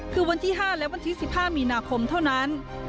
คือวันที่๕และวันที่๑๕มีนาคมเท่านั้น